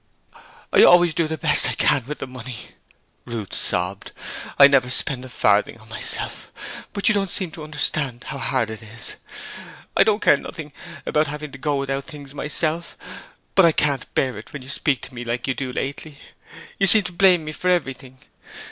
'I always do the best I can with the money,' Ruth sobbed. 'I never spend a farthing on myself, but you don't seem to understand how hard it is. I don't care nothing about having to go without things myself, but I can't bear it when you speak to me like you do lately. You seem to blame me for everything.